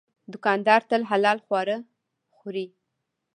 دوکاندار تل حلال خواړه خوري.